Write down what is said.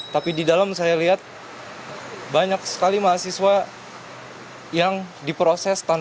tapi di dalam saya lihat banyak sekali mahasiswa yang diproses